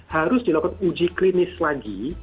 harus dilakukan uji klinis lagi